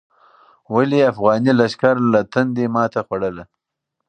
ولې افغاني لښکر له تندې ماتې خوړله؟